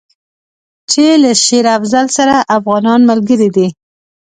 چې له شېر افضل سره افغانان ملګري دي.